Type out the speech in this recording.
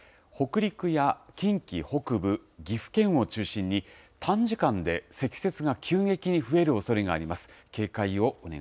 北陸や近畿北部、岐阜県を中心に、短時間で積雪が急激に増えるおそれがあります。